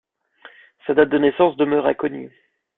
Sa date de naissance demeure inconnue.